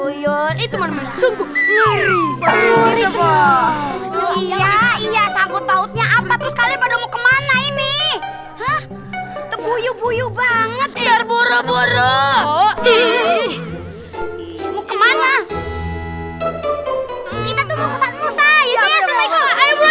iya iya sanggup bautnya apa terus kalian pada mau kemana ini